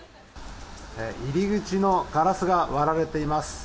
入り口のガラスが割られています。